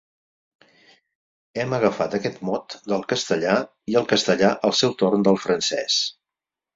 Hem agafat aquest mot del castellà, i el castellà, al seu torn, del francès.